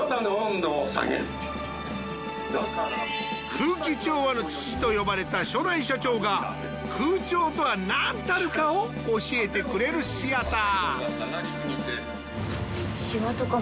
空気調和の父と呼ばれた初代社長が空調とはなんたるかを教えてくれるシアター